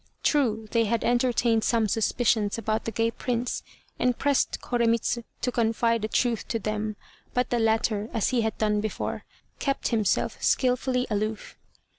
True they had entertained some suspicions about the gay Prince, and pressed Koremitz to confide the truth to them, but the latter, as he had done before, kept himself skilfully aloof.